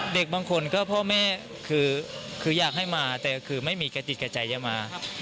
เด็กบางคนก็พ่อแม่คืออยากให้มาแต่คือไม่มีกระติกกระใจจะมา